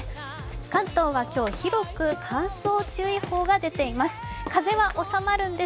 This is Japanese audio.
関東は今日、広く乾燥注意報が出ています。